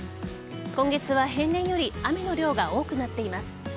今月は平年より雨の量が多くなっています。